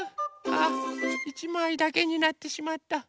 あ１まいだけになってしまった。